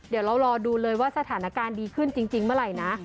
เดี๋ยวเรารอดูเลยว่าสถานการณ์ดีขึ้นจริงเมื่อไหร่นะ